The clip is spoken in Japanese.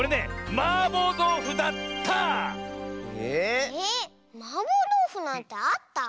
マーボーどうふなんてあった？